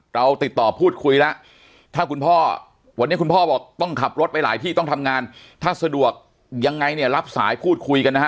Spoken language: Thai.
เราติดต่อพูดคุยแล้วถ้าคุณพ่อวันนี้คุณพ่อบอกต้องขับรถไปหลายที่ต้องทำงานถ้าสะดวกยังไงเนี่ยรับสายพูดคุยกันนะฮะ